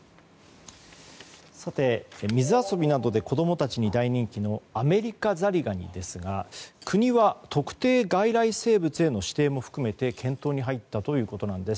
水遊びなどで子供たちに大人気のアメリカザリガニですが、国は特定外来生物への指定も含めて検討に入ったということなんです。